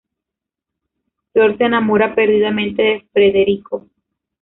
Flor se enamora perdidamente de Frederico.